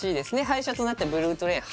廃車となったブルートレイン